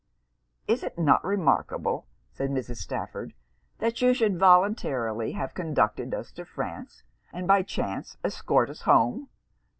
'Is it not remarkable,' said Mrs. Stafford, 'that you should voluntarily have conducted us to France, and by chance escort us home?'